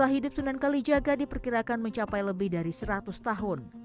hidup sunan kali jaga diperkirakan mencapai lebih dari seratus tahun